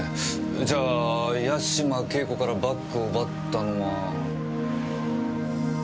じゃあ八島景子からバッグを奪ったのは。